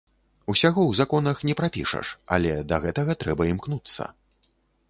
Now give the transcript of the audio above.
Усяго ў законах не прапішаш, але да гэтага трэба імкнуцца.